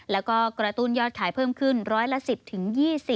แล้วก็กระตุ้นยอดขายเพิ่มขึ้นร้อยละ๑๐๒๐